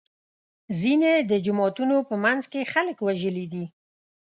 ځینې د جوماتونو په منځ کې خلک وژلي دي.